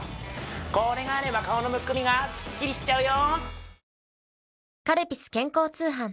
これがあれば顔のむくみがすっきりしちゃうよ